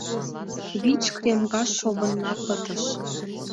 Вич кремга шовынна пытыш.